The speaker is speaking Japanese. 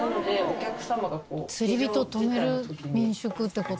「釣り人を泊める民宿って事？」